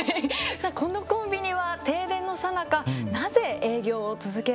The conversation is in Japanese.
さあこのコンビニは停電のさなかなぜ営業を続けられたのでしょうか。